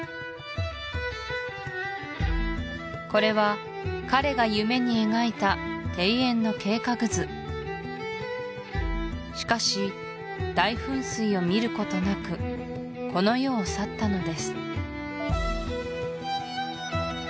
これは彼が夢に描いた庭園の計画図しかし大噴水を見ることなくこの世を去ったのです